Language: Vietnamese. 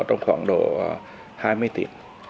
trong khoảng độ hai mươi tiệm